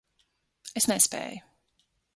Es nespēju.